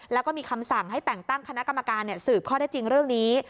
แล้วก็มีคำสั่งให้แต่งตั้งคณะกรรมการสืบข้อได้จริงเรื่องนี้